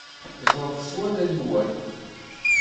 Ẓret s wallen-nwen.